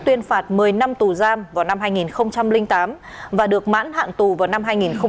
tuyên phạt một mươi năm tù giam vào năm hai nghìn tám và được mãn hạn tù vào năm hai nghìn một mươi